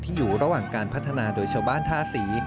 ที่อยู่ระหว่างการพัฒนาโดยเฉาบ้านท่าสี